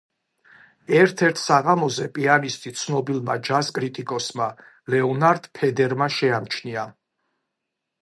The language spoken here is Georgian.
ერთ-ერთ საღამოზე პიანისტი ცნობილმა ჯაზ კრიტიკოსმა, ლეონარდ ფედერმა შეამჩნია.